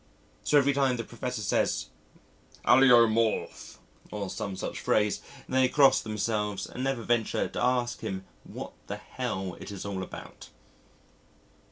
So every time the Professor says, "Allelomorph," or some such phrase, they cross themselves and never venture to ask him what the hell it is all about.